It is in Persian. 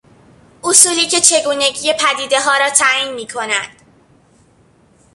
اصولی که چگونگی پدیدهها را تعیین میکند